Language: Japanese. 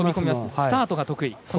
スタートが得意。